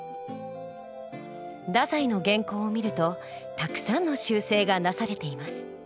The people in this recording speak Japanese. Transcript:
太宰の原稿を見るとたくさんの修正がなされています。